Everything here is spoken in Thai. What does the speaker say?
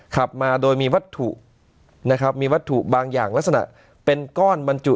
ขับมาโดยมีวัตถุนะครับมีวัตถุบางอย่างลักษณะเป็นก้อนบรรจุ